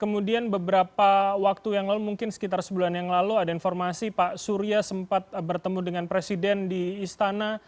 kemudian beberapa waktu yang lalu mungkin sekitar sebulan yang lalu ada informasi pak surya sempat bertemu dengan presiden di istana